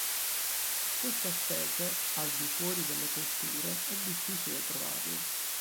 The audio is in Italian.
Questa specie al di fuori delle colture è difficile trovarla.